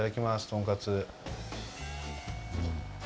とんかつ。